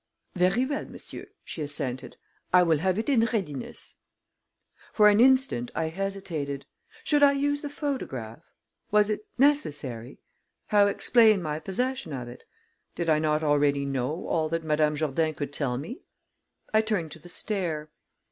"Very well, monsieur," she assented; "I will have it in readiness." For an instant, I hesitated. Should I use the photograph? Was it necessary? How explain my possession of it? Did I not already know all that Madame Jourdain could tell me? I turned to the stair.